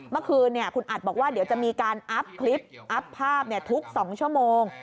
เมื่อคืนคุณอัดบอกว่าเดี๋ยวจะมีการอัพคลิปอัพภาพทุก๒ชั่วโมง